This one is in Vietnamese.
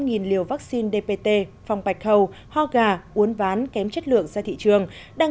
nghìn liều vaccine dpt phòng bạch hầu ho gà uốn ván kém chất lượng ra thị trường đang